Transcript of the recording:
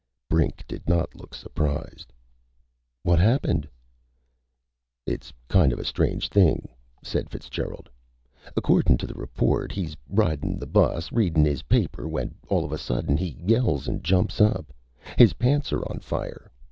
Brink did not look surprised. "What happened?" "It's kind of a strange thing," said Fitzgerald. "Accordin' to the report he's ridin' this bus, readin' his paper, when all of a sudden he yells an' jumps up. His pants are on fire.